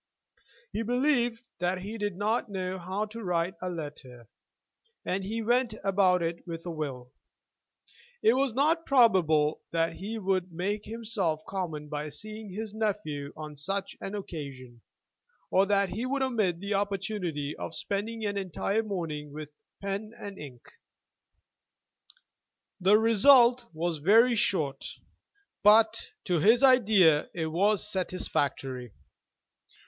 He believed that he did know how to write a letter, and he went about it with a will. It was not probable that he would make himself common by seeing his nephew on such an occasion, or that he would omit the opportunity of spending an entire morning with pen and ink. The result was very short, but, to his idea, it was satisfactory.